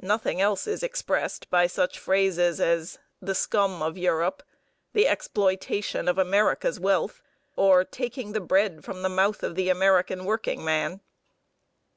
Nothing else is expressed by such phrases as "the scum of Europe," "the exploitation of America's wealth," or "taking the bread from the mouth of the American workingman."